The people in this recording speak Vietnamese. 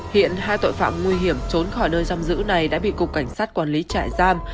hiện hai tội phạm nguy hiểm trốn khỏi nơi giam giữ này đã bị cục cảnh sát quản lý trại giam